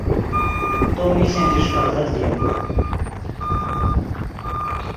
تو میشن ژے ݰیکڑغیت ڤیو